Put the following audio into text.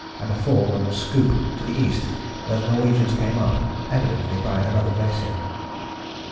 and a fall and a scoop to the east where the Norwegians came up, evidently by another glacier."